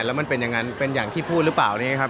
แล้วมันเป็นอย่างนั้นเป็นอย่างที่พูดหรือเปล่าเนี่ยครับ